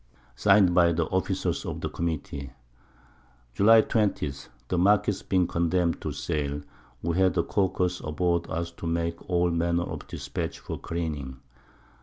_ Sign'd by the Officers of the Committee. July 20. The Marquiss being condemned to Sale, we had the Caulkers aboard us to make all Manner of Dispatch for careening.